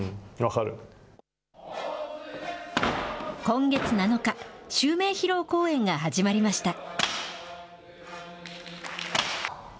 今月７日、襲名披露公演が始まりました。